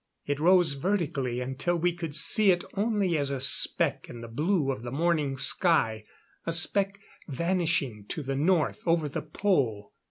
It rose vertically until we could see it only as a speck in the blue of the morning sky a speck vanishing to the north over the Pole.